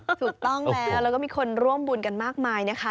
ถูกต้องแล้วแล้วก็มีคนร่วมบุญกันมากมายนะคะ